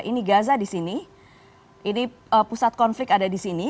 ini gaza di sini ini pusat konflik ada di sini